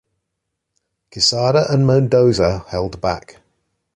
Quesada and Mendoza held back.